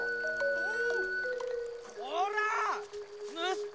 うん。